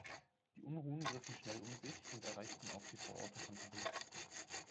Die Unruhen griffen schnell um sich und erreichten auch die Vororte von Paris.